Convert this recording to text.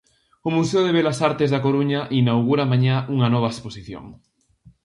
O Museo de Belas Artes da Coruña inaugura mañá unha nova exposición.